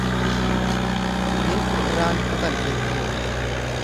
Hin irraanfatan jechuudha.